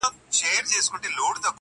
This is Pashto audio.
له هيبته يې لړزېږي اندامونه؛